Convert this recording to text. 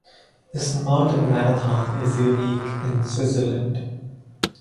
This Mountain Marathon is unique in Switzerland.